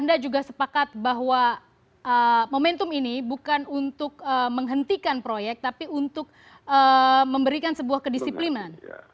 anda juga sepakat bahwa momentum ini bukan untuk menghentikan proyek tapi untuk memberikan sebuah kedisiplinan